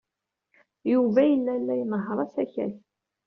Yuba yella la inehheṛ asakal.